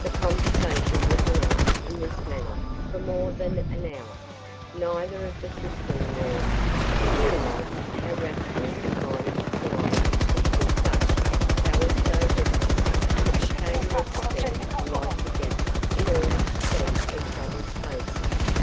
The conversation went along in this manner for more than an hour. Neither of the sisters in law realized how rapidly the time was flying until dusk fell so heavily that it became necessary to light the gas in order to see each other's faces.